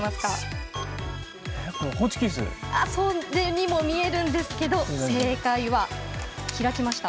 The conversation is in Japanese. ホチキス？にも見えるんですが正解は開きました。